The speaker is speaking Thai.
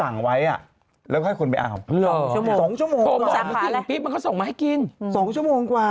แน่นอนสั่งมา